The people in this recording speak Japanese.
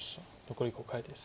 残り５回です。